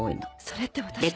それって私だ。